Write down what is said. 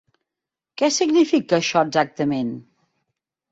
Què significa això exactament?